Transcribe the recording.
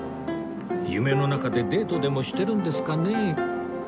夢の中でデートでもしてるんですかね